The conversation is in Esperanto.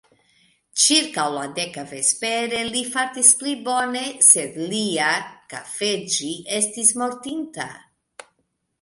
Ĉirkaŭ la deka vespere, li fartis pli bone, sed lia _kafeĝi_ estis mortinta.